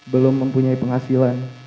belum mempunyai penghasilan